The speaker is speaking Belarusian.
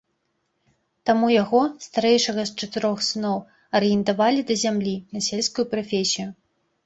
Таму яго, старэйшага з чатырох сыноў, арыентавалі да зямлі, на сельскую прафесію.